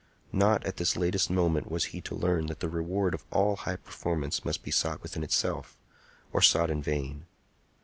Not at this latest moment was he to learn that the reward of all high performance must be sought within itself, or sought in vain.